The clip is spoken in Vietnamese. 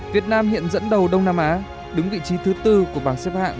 việt nam hiện dẫn đầu đông nam á đứng vị trí thứ tư của bảng xếp hạng